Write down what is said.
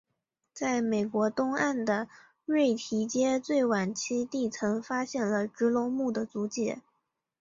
在美国东岸的瑞提阶最晚期地层发现了植龙目的足迹。